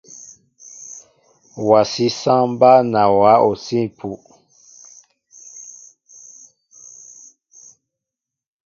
Wasi saŋ mba nawa osim epuh.